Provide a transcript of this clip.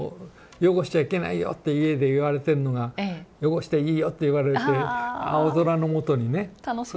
「汚しちゃいけないよ」って家で言われてんのが「汚していいよ」って言われて青空のもとにね。楽しいです。